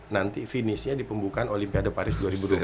nanti finishnya di pembukaan olimpiade paris dua ribu dua puluh